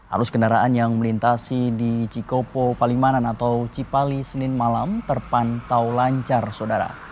arus kendaraan yang melintasi di cikopo palimanan atau cipali senin malam terpantau lancar sodara